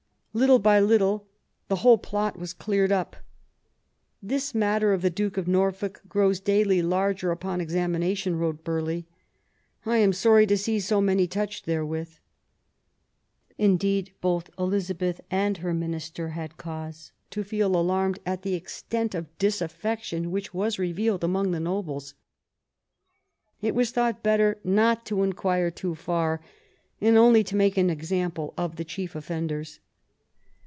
Little by little the whole plot was cleared up. " This matter of the Duke of Norfolk grows daily larger upon examination," wrote Burghley ;" I am sorry to see so many touched therewith." Indeed, both Elizabeth and her minister had cause to feel alarmed at the extent of disaffection which was revealed among the nobles. It was thought better not to inquire too far, and only to make an example of the chief offenders.